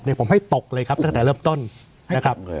เดี๋ยวผมให้ตกเลยครับแต่เริ่มต้นนะครับ